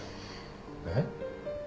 えっ？